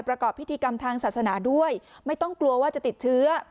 ประกอบพิธีกรรมทางศาสนาด้วยไม่ต้องกลัวว่าจะติดเชื้อ